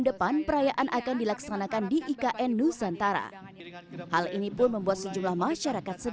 depan perayaan akan dilaksanakan di ikn nusantara hal ini pun membuat sejumlah masyarakat